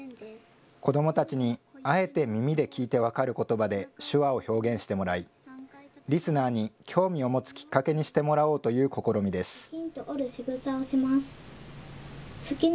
子どもたちに、あえて耳で聞いてわかることばで、手話を表現してもらい、リスナーに興味を持つきっかけにしてもらおうという試みです。